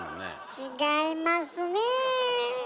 違いますね。